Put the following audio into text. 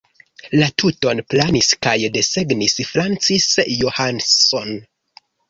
La tuton planis kaj desegnis Francis Johnson.